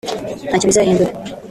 ntacyo bizahindura